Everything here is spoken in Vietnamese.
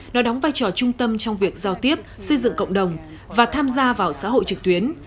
nó đóng vai trò trung tâm trong việc giao tiếp xây dựng cộng đồng và tham gia vào xã hội trực tuyến